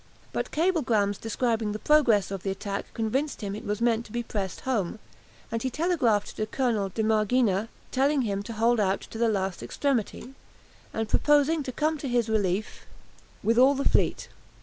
But cablegrams describing the progress of the attack convinced him it was meant to be pressed home, and he telegraphed to Colonel de Margina, telling him to hold out to the last extremity, and promising to come to his relief with all the fleet.